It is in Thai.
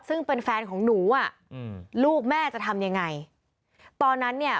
ซึ่งเป็นแฟนของหนูอ่ะอืมลูกแม่จะทำยังไงตอนนั้นเนี่ย